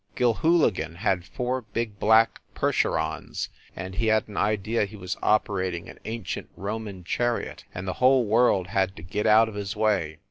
Gilhooligan had four big black Percherons, and he had an idea he was operating an ancient Roman chariot and the whole world had to get out of his way.